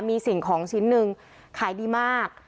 มีสิ่งของชิ้นหนึ่งขายดีมาก